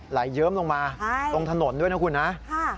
เยิ้มลงมาตรงถนนด้วยนะคุณนะ